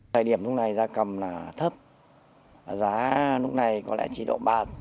tại điểm lúc này ra cầm là thấp giá lúc này có lẽ chỉ độ ba mươi chín